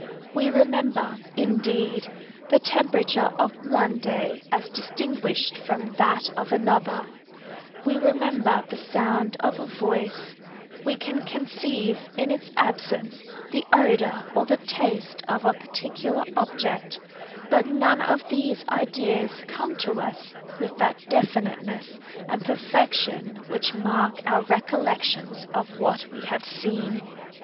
We remember, indeed, the temperature of one day as distinguished from that of another; we remember the sound of a voice; we can conceive, in its absence, the odor or the taste of a particular object; but none of these ideas come to us with that definiteness and perfection which mark our recollections of what we have seen.